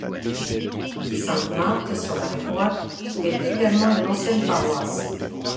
Sainte-Marthe, sur la rive droite, est également une ancienne paroisse.